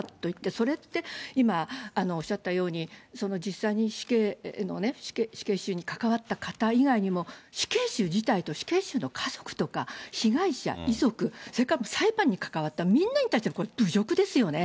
それって今おっしゃったように、実際の死刑の、死刑囚に関わった方以外にも、死刑囚自体と死刑囚の家族とか被害者、遺族、それから裁判に関わったみんなに対して侮辱ですよね。